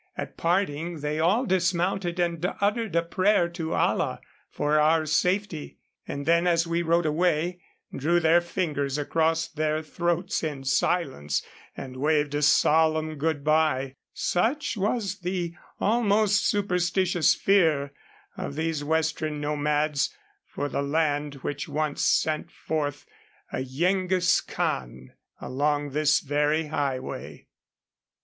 At parting they all dismounted and uttered a prayer to Allah for our safety; and then as we rode away, drew their fingers across their throats in silence, and waved a solemn good by. Such was the almost superstitious fear of these western nomads for the land which once sent forth a Yengiz Khan along this very highway. PRACTISING OUR CHINESE ON A KULDJA CULPRIT.